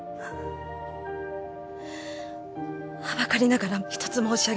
はばかりながら一つ申し上げます。